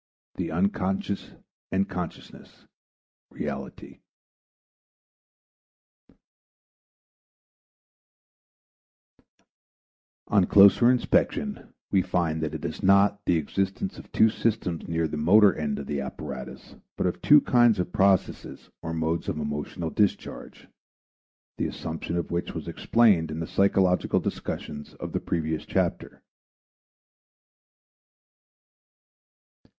IX THE UNCONSCIOUS AND CONSCIOUSNESS REALITY On closer inspection we find that it is not the existence of two systems near the motor end of the apparatus but of two kinds of processes or modes of emotional discharge, the assumption of which was explained in the psychological discussions of the previous chapter.